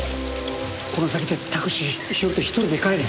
この先でタクシー拾って一人で帰れ。